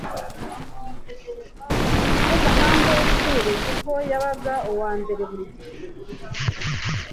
w’umuhanga mw’ishuri kuko yabaga uwa mbere buri gihe